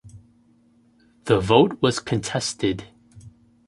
The vote was contested.